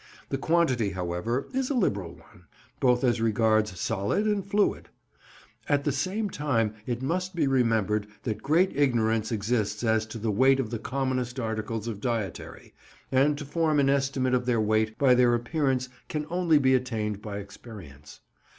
The quantity, however, is a liberal one, both as regards solid and fluid. At the same time it must be remembered that great ignorance exists as to the weight of the commonest articles of dietary, and to form an estimate of their weight by their appearance can only be attained by experience.